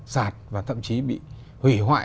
sạt và thậm chí bị hủy hoại